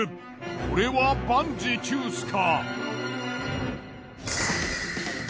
これは万事休すか。